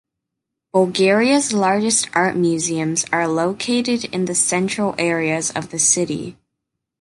Bulgaria's largest art museums are located in the central areas of the city.